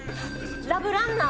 『ラブランナー』。